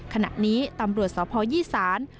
ขณะนี้ตำรวจสพยี่สาน